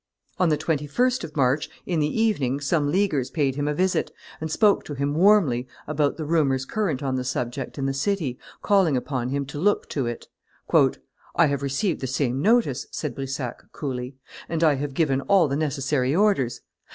On the 21st of March, in the evening, some Leaguers paid him a visit, and spoke to him warmly about the rumors current on the subject in the city, calling upon him to look to it. "I have received the same notice," said Brissac, coolly; "and I have given all the necessary orders.